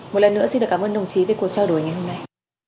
một lần nữa xin được cảm ơn đồng chí về cuộc trao đổi ngày hôm nay